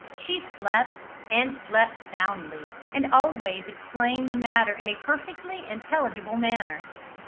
She slept; and slept soundly, and always explained the matter in a perfectly intelligible manner.